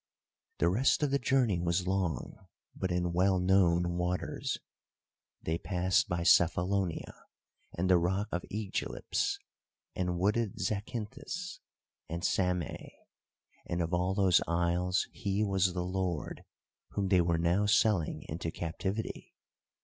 The rest of the journey was long, but in well known waters. They passed by Cephalonia and the rock of Ægilips, and wooded Zacynthus, and Samê, and of all those isles he was the lord, whom they were now selling into captivity.